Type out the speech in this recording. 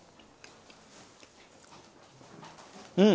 うん！